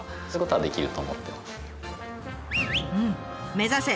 目指せ！